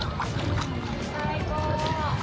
最高！